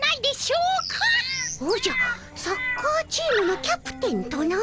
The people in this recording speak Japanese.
おじゃサッカーチームのキャプテンとな？